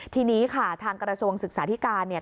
ทีนี้ค่ะทางกระทรวงศึกษาธิการเนี่ย